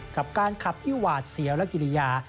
กับการขับที่หวาดเสียวและกิริยา